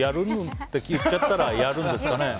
って聞いちゃったからやるんですかね。